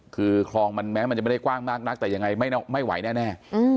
คือคลองมันแม้มันจะไม่ได้กว้างมากนักแต่ยังไงไม่ไหวแน่